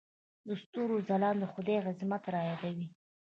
د ستورو ځلا د خدای عظمت رايادوي.